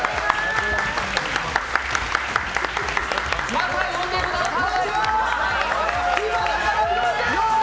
また呼んでくださーい！